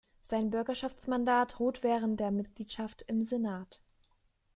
Sein Bürgerschaftsmandat ruht während der Mitgliedschaft im Senat.